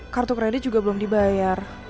kartu kredit juga belum dibayar